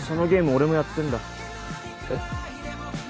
俺もやってんだえっ？